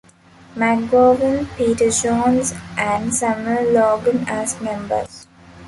McGowan, Peter Jones, and Samuel Logan as members.